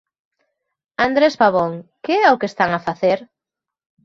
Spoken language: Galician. Andrés Pavón, que é o que están a facer?